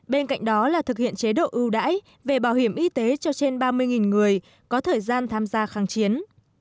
bên cạnh đó là thực hiện chế độ ưu đãi về bảo hiểm y tế cho trên ba mươi người có thời gian tham gia kháng chiến